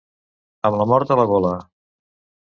Amb la mort a la gola.